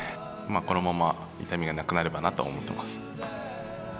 このまま痛みがなくなればなと思ってます。